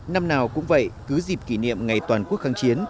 năm nào cũng vậy cứ dịp kỷ niệm ngày toàn quốc kháng chiến